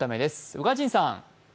宇賀神さん。